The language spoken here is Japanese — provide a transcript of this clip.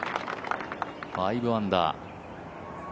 ５アンダー。